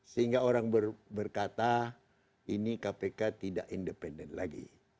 sehingga orang berkata ini kpk tidak independen lagi